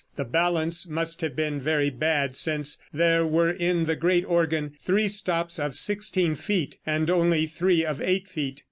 The balance must have been very bad, since there were in the great organ three stops of sixteen feet, and only three of eight feet.